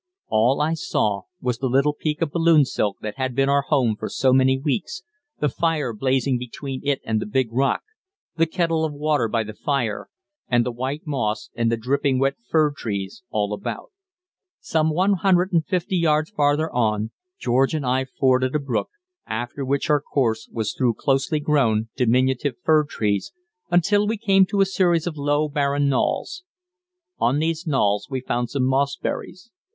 All I saw was the little peak of balloon silk that had been our home for so many weeks, the fire blazing between it and the big rock, the kettle of water by the fire, and the white moss and the dripping wet fir trees all about. Some one hundred and fifty yards farther on George and I forded a brook, after which our course was through closely grown, diminutive fir trees until we came to a series of low, barren knolls. On these knolls we found some mossberries.